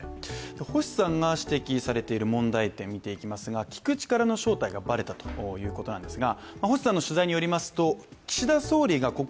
星さんが指摘されている問題点を見ていきますが聞く力の正体がばれたということなんですが。